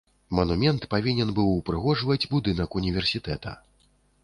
Манумент павінен быў упрыгожваць будынак універсітэта.